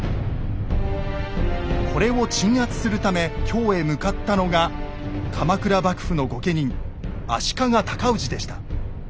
これを鎮圧するため京へ向かったのが鎌倉幕府の御家人足利高氏でした。